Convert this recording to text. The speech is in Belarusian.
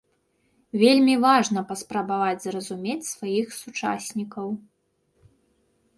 Вельмі важна паспрабаваць зразумець сваіх сучаснікаў.